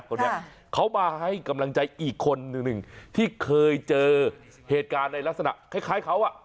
คนนี้เขามาให้กำลังใจอีกคนหนึ่งหนึ่งที่เคยเจอเหตุการณ์ในลักษณะคล้ายเขาอ่ะ